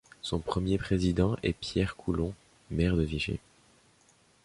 Son premier président est Pierre Coulon, maire de Vichy.